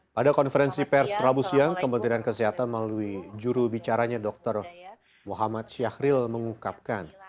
pada konferensi pers rabu siang kementerian kesehatan melalui juru bicaranya dr muhammad syahril mengungkapkan